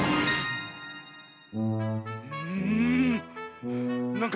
うん！